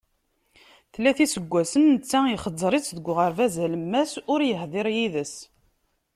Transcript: Tlata iseggasen netta ixeẓẓer-itt deg uɣerbaz alemmas, ur yehdir yid-s!